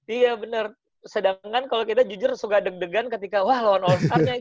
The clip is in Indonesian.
iya bener sedangkan kalau kita jujur suka deg degan ketika wah lawan all star nya